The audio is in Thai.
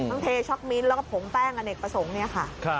เทช็อกมิ้นแล้วก็ผงแป้งอเนกประสงค์เนี่ยค่ะ